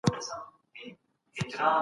نبوت د خدای له لوري ټاکل کیږي.